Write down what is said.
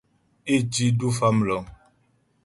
Ě tí du Famləŋ.